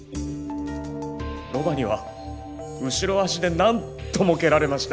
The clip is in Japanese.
ロバには後ろ足で何度も蹴られました！